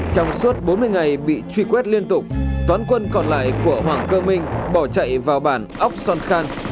trong suốt bốn mươi ngày bị truy quét liên tục toán quân còn lại của hoàng cơ minh bỏ chạy vào bản óc son khan